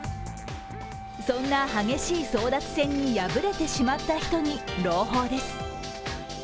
そんな激しい争奪戦に敗れてしまった人に朗報です。